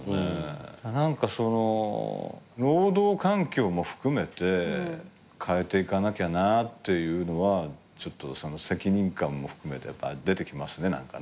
何かその労働環境も含めて変えていかなきゃなってのはちょっと責任感も含めて出てきますね何かね。